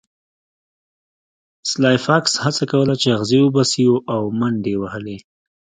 سلای فاکس هڅه کوله چې اغزي وباسي او منډې یې وهلې